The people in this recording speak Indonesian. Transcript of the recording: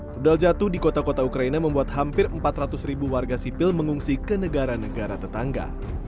pedal jatuh di kota kota ukraina membuat hampir empat ratus ribu warga sipil mengungsi ke negara negara tetangga